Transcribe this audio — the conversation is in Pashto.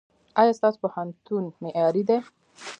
ایا ستاسو پوهنتون معیاري دی؟